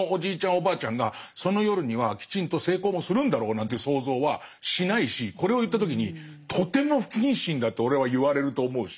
おばあちゃんがその夜にはきちんと性交もするんだろうなんていう想像はしないしこれを言った時にとても不謹慎だって俺は言われると思うし。